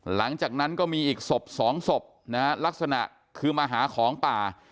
หลังจากนั้นก็มีอีกศพสองศพนะฮะลักษณะคือมาหาของป่า